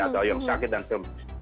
atau yang sakit dan sebagainya